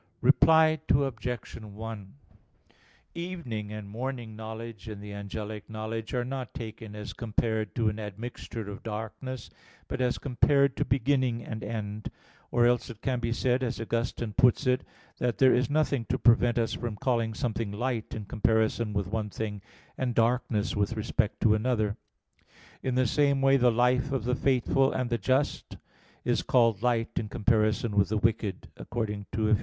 Reply Obj. 1: Evening and morning knowledge in the angelic knowledge are not taken as compared to an admixture of darkness, but as compared to beginning and end. Or else it can be said, as Augustine puts it (Gen. ad lit. iv, 23), that there is nothing to prevent us from calling something light in comparison with one thing, and darkness with respect to another. In the same way the life of the faithful and the just is called light in comparison with the wicked, according to Eph.